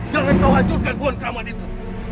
jangan menghancurkan pohon keramat itu